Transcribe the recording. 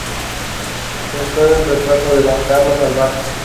Pintó el retrato de don Carlos Albán.